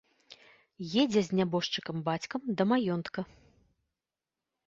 Едзе з нябожчыкам бацькам да маёнтка.